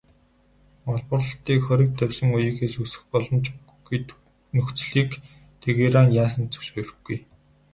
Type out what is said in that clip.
Олборлолтыг хориг тавьсан үеийнхээс өсгөх боломж өгөхгүй нөхцөлийг Тегеран яасан ч зөвшөөрөхгүй.